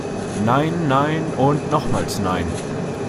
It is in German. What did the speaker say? Nein, nein und nochmals nein!